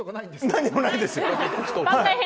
何もないです。